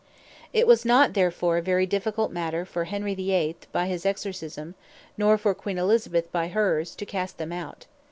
It was not therefore a very difficult matter, for Henry 8. by his Exorcisme; nor for Qu. Elizabeth by hers, to cast them out.